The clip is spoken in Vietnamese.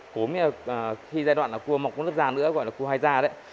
cốm thì giai đoạn là cua mọc nước da nữa gọi là cua hai da đấy